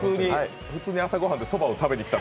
普通に朝ごはんでそばを食べに来た。